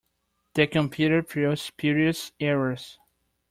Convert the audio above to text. The computer threw spurious errors.